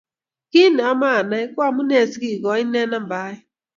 Kiit ne maanai ko umunee si kikoi inne namba oeng